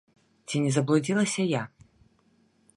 Ці не заблудзілася я?